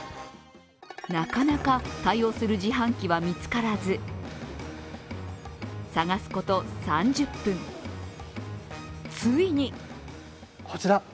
なかなか対応する自販機は見つからず探すこと３０分、ついにこちら！